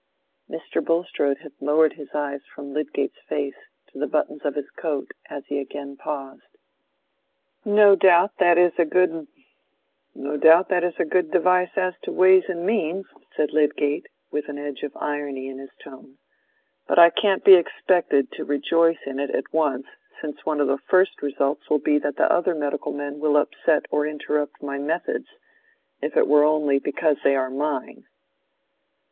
Mr. Bulstrode had lowered his eyes from Lydgate's face to the buttons of his coat as he again paused. "No doubt that is a good device as to ways and means," said Lydgate, with an edge of irony in his tone. "But I can't be expected to rejoice in it at once, since one of the first results will be that the other medical men will upset or interrupt my methods, if it were only because they are mine."